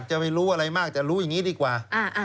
จะไม่รู้อะไรมากจะรู้อย่างนี้ดีกว่า